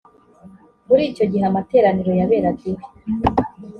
muri icyo gihe amateraniro yaberaga iwe.